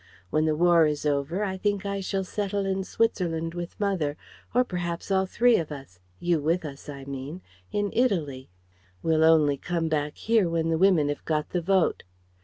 When the War is over, I think I shall settle in Switzerland with mother or perhaps all three of us you with us, I mean in Italy. We'll only come back here when the Women have got the Vote.